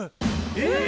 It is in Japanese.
えっ！？